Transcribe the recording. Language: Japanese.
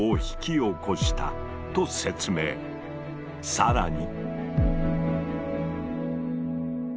更に。